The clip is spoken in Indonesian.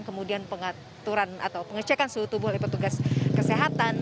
kemudian pengaturan atau pengecekan suhu tubuh oleh petugas kesehatan